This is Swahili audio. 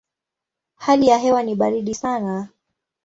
Hali ya hewa ni baridi sana.